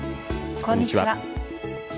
こんにちは。